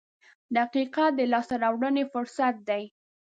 • دقیقه د لاسته راوړنې فرصت دی.